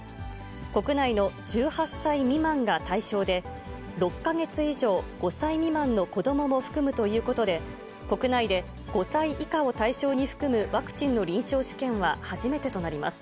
国内の１８歳未満が対象で、６か月以上５歳未満の子どもも含むということで、国内で５歳以下を対象に含むワクチンの臨床試験は初めてとなります。